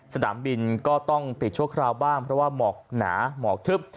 สนามบินก็ต้องปิดชั่วคราวบ้างเพราะว่าหมอกหนาหมอกทึบ